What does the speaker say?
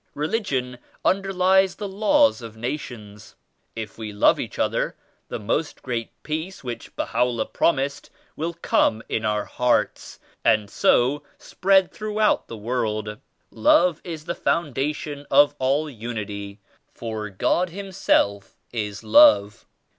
Religion underlies the 75 laws of nations. If we love each other, the Most Great Peace which Baha'u'llah prom ised will come in our hearts and so spread throughout the world. Love is the foundation of all unity, for God himself is Love.